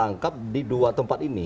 tangkap di dua tempat ini